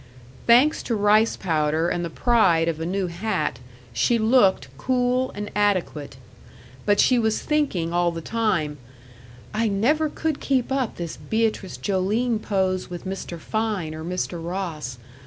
Thanks to rice powder and the pride of a new hat, she looked cool and adequate. But she was thinking all the time: "I never could keep up this Beatrice Joline pose with Mr. Fein or Mr. Ross.